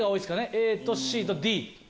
ＡとＣとＤ。